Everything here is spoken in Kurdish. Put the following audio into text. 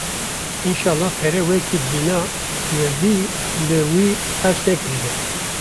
Înşallah pere weka dîna li vî li wî xerc nekiribe!’’